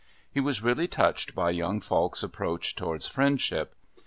He was really touched by young Falk's approach towards friendship.